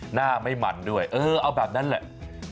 หน้าไม่มันด้วยเออเอาแบบนั้นแหละ